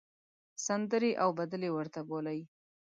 سندرې او بدلې ورته بولۍ.